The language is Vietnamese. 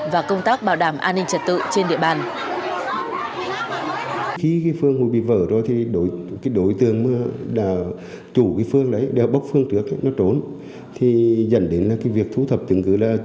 và công tác bảo đảm an ninh trật tự trên địa bàn